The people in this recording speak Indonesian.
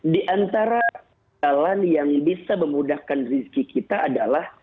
di antara jalan yang bisa memudahkan rizki kita adalah